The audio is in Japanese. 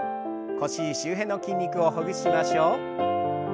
腰周辺の筋肉をほぐしましょう。